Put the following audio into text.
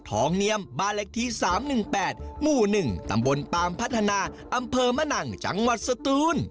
เนียมบ้านเล็กที่๓๑๘หมู่๑ตำบลปามพัฒนาอำเภอมะนังจังหวัดสตูน